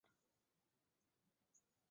长臀云南鳅为鳅科云南鳅属的鱼类。